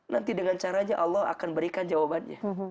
nanti dengan caranya allah akan berikan jawabannya